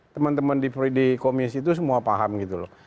teman teman di komisi itu semua paham gitu loh